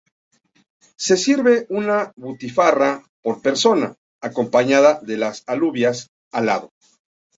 Se sirve una butifarra por persona, acompañada de las alubias al lado.